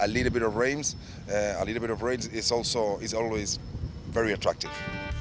sedikit hujan sedikit hujan itu juga sangat menarik